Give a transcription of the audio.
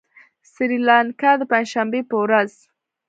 سريلانکا د پنجشنبې په ورځ